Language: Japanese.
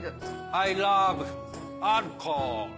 アイラブアルコール。